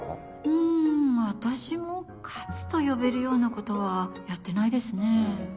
うん私も「活」と呼べるようなことはやってないですね。